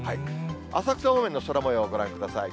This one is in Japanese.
浅草方面の空もよう、ご覧ください。